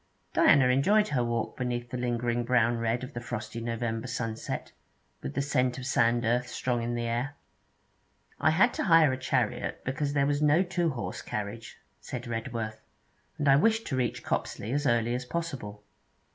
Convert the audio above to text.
Diana enjoyed her walk beneath the lingering brown red of the frosty November sunset, with the scent of sand earth strong in the air. 'I had to hire a chariot because there was no two horse carriage,' said Redworth, 'and I wished to reach Copsley as early as possible.'